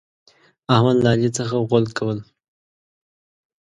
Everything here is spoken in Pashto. احمد له علي څخه غول کول.